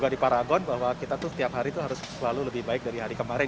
di paragon bahwa kita tuh setiap hari itu harus selalu lebih baik dari hari kemarin